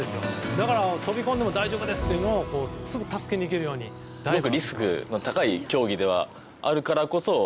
だから、飛び込んでも大丈夫ですっていうことですぐに助けに行けるようになっています。